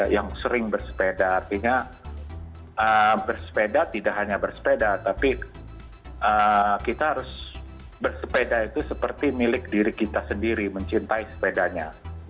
yang sering bersepeda artinya bersepeda tidak hanya bersepeda tapi kita harus bersepeda itu seperti milik diri kita sendiri mencintai sepedanya